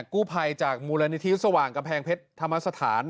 กู้ภัยจากมูลนิธิสว่างกำแพงเพชรธรรมสถาน